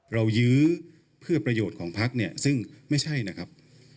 ยื้อเพื่อประโยชน์ของพักเนี่ยซึ่งไม่ใช่นะครับ